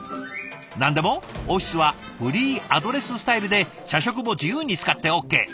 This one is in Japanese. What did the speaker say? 何でもオフィスはフリーアドレススタイルで社食も自由に使ってＯＫ。